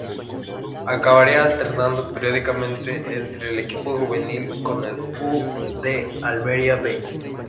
Acabaría alternando periódicamente entre el equipo Juvenil con el U. D. Almería "B".